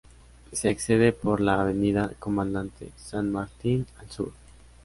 Se accede por la avenida Comandante San Martín al sur.